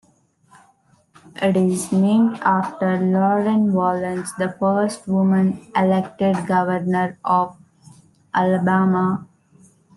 It is named after Lurleen Wallace, the first woman elected Governor of Alabama.